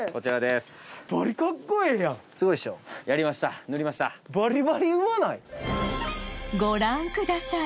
すごいでしょご覧ください